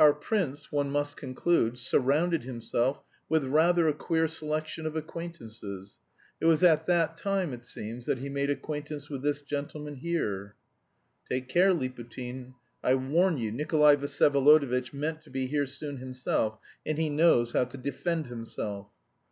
Our prince, one must conclude, surrounded himself with rather a queer selection of acquaintances. It was at that time, it seems, that he made acquaintance with this gentleman here." "Take care, Liputin. I warn you, Nikolay Vsyevolodovitch meant to be here soon himself, and he knows how to defend himself."